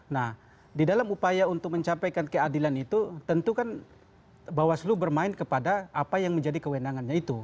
nah di dalam upaya untuk mencapaikan keadilan itu tentu kan bawaslu bermain kepada apa yang menjadi kewenangannya itu